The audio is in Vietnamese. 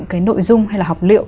cái nội dung hay là học liệu